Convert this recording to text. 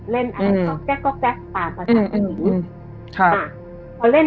เล่นอะไรก็แก๊กก็แก๊กตามภาษาหนึ่ง